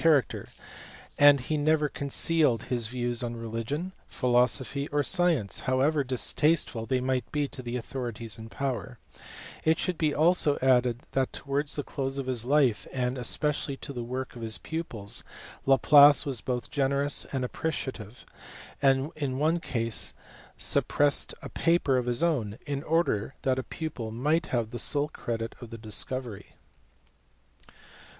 427 character, and he never concealed his views on religion, philosophy, or science however distasteful they might be to the authorities in power ; it should be also added that towards the close of his life and especially to the work of his pupils Laplace was both generous and appreciative, and in one case suppressed a paper of his own in order that a pupil might have the sole credit of the discovery.